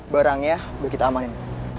barangnya udah kita amanin